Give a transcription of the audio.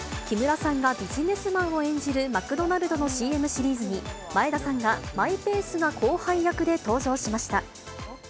木村さんがビジネスマンを演じるマクドナルドのＣＭシリーズに、前田さんがマイペースな後輩役で登場しました。